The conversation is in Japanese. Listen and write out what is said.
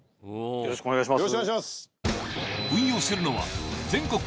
よろしくお願いします。